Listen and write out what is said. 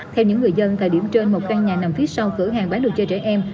theo những người dân thời điểm trên một căn nhà nằm phía sau cửa hàng bán đồ chơi trẻ em